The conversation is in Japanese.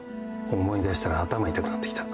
思い出したら頭痛くなってきた。